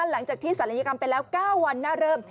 หลังจากที่ศัลยกรรมไปแล้ว๙วันหน้าเริ่ม